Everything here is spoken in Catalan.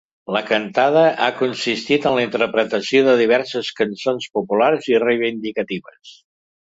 La cantada ha consistit en la interpretació de diverses cançons populars i reivindicatives.